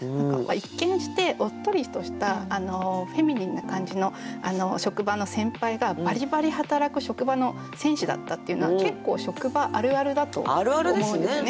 一見しておっとりとしたフェミニンな感じの職場の先輩がバリバリ働く職場の戦士だったっていうのは結構職場あるあるだと思うんですね。